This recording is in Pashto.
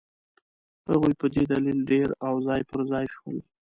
هغوی په دې دلیل ډېر او ځای پر ځای شول.